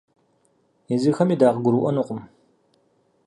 Езыхэми дакъыгурыӏуэнукъым.